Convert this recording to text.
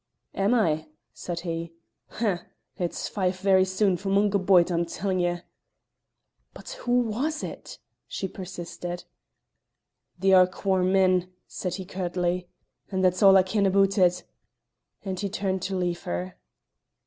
"Am I?" said he. "Humph! It's Fife very soon for Mungo Boyd, I'm tellin' ye." "But who was it?" she persisted. "The Arroquhar men," said he curtly; "and that's all I ken aboot it," and he turned to leave her.